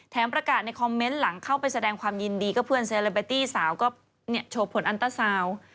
ประกาศในคอมเมนต์หลังเข้าไปแสดงความยินดีก็เพื่อนเซเลมเบอร์ตี้สาวก็โชว์ผลอันเตอร์ซาวน์